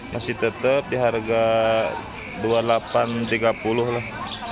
masih tetap di harga rp dua puluh delapan rp tiga puluh lah